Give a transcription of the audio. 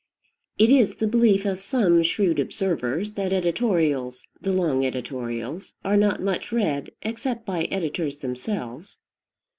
It is the belief of some shrewd observers that editorials, the long editorials, are not much read, except by editors themselves.